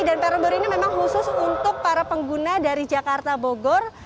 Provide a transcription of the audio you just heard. dan peron baru ini memang khusus untuk para pengguna dari jakarta bogor